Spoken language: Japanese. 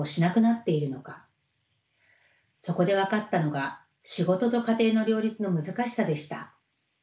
そこで分かったのが仕事と家庭の両立の難しさでした。